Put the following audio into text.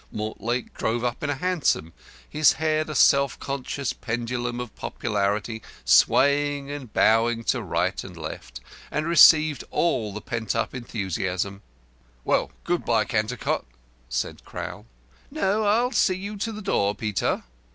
Mortlake drove up in a hansom (his head a self conscious pendulum of popularity, swaying and bowing to right and left) and received all the pent up enthusiasm. "Well, good by, Cantercot," said Crowl. "No, I'll see you to the door, Peter."